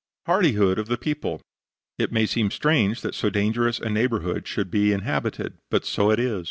HARDIHOOD OF THE PEOPLE It may seem strange that so dangerous a neighborhood should be inhabited. But so it is.